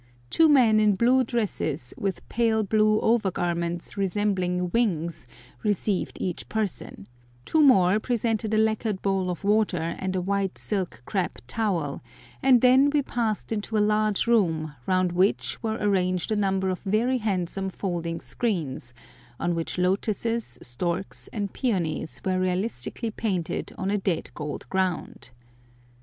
Two men in blue dresses, with pale blue over garments resembling wings received each person, two more presented a lacquered bowl of water and a white silk crêpe towel, and then we passed into a large room, round which were arranged a number of very handsome folding screens, on which lotuses, storks, and peonies were realistically painted on a dead gold ground.